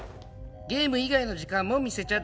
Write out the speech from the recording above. ゲーム以外の時間も見せちゃダメ。